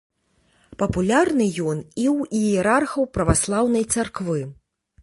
Папулярны ён і ў іерархаў праваслаўнай царквы.